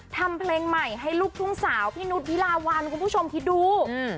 ทำเพลงใหม่ให้ลูกทุ่งสาวพี่นุษย์วิลาวันคุณผู้ชมคิดดูอืม